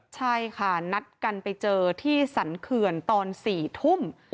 ใช่ค่ะนัดกันไปเจอที่สรรเขื่อนตอน๔ทุ่ม